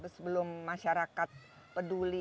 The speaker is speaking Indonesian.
sebelum masyarakat peduli